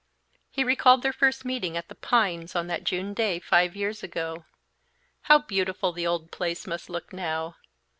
He recalled their first meeting at The Pines on that June day five years ago. How beautiful the old place must look now!